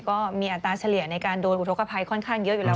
ก็มีอัตราเฉลี่ยในการโดนอุทธกภัยค่อนข้างเยอะอยู่แล้ว